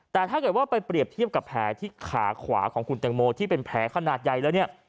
แต่ถ้าเกิดว่าไปเปรียบเทียบกับแผลที่ขาขวาของคุณแตงโมที่เป็นแผลขนาดใหญ่แล้วเนี่ย